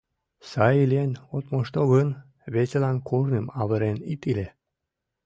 Сай илен от мошто гын, весылан корным авырен ит иле.